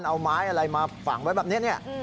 เอาไม้อะไรมาฝังไว้แบบนี้